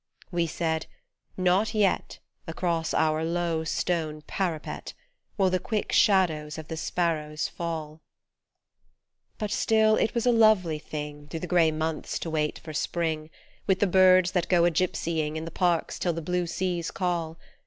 We said " Not yet Across our low stone parapet Will the quick shadows of the sparrows fall." 21 But still it was a lovely thing Through the grey months to wait for Spring With the birds that go a gypsying In the parks till the blue seas call.